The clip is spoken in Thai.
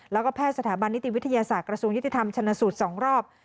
แล้วก็แพทย์สถาบันนิติวิทยาศาสตร์กระทรวงยุติธรรมชนสูตร๒รอบ